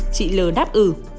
chị l đáp ừ